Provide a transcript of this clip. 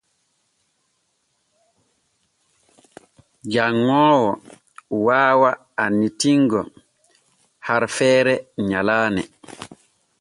Janŋoowo waawa annitingo harfeere nyalaane.